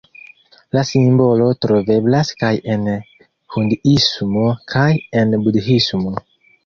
La simbolo troveblas kaj en hinduismo kaj en budhismo.